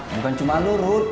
bukan cuma lo rut